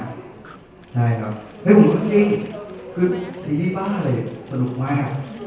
ใช่ครับเห้ยผมรู้จังจริงคือซีรีส์บ้าเลยสนุกมาก